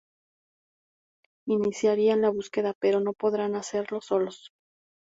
Iniciarán la búsqueda, pero no podrán hacerlo solos.